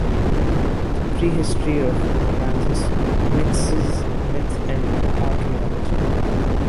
The pre-history of Amathus mixes myth and archaeology.